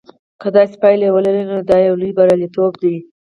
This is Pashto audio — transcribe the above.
که داسې پایله ولري نو دا یو لوی بریالیتوب دی.